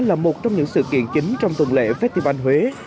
là một trong những sự kiện chính trong tuần lễ festival huế